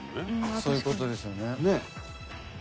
そういう事ですよね。